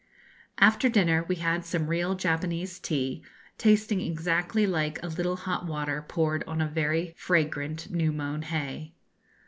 After dinner we had some real Japanese tea, tasting exactly like a little hot water poured on very fragrant new mown hay.